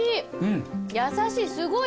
優しい。